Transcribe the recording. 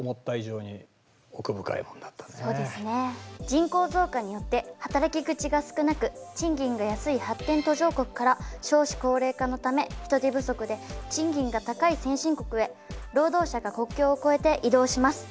人口増加によって働き口が少なく賃金が安い発展途上国から少子高齢化のため人手不足で賃金が高い先進国へ労働者が国境を越えて移動します。